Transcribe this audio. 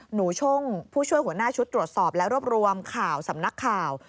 หนูช่งผู้ช่วยหัวหน้าชุดตรวจสอบและรวบรวมข่าวสำนักข่าว